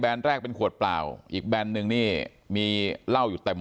แบรนด์แรกเป็นขวดเปล่าอีกแบรนด์หนึ่งนี่มีเล่าอยู่เต็ม